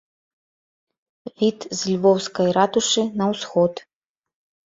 Від з львоўскай ратушы на ўсход.